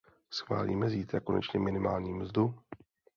Schválíme zítra konečně minimální mzdu?